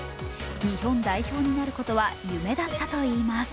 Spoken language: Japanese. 日本代表になることは夢だったといいます。